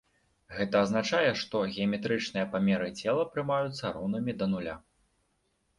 Гэта азначае, што геаметрычныя памеры цела прымаюцца роўнымі да нуля.